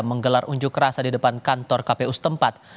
menggelar unjuk rasa di depan kantor kpu setempat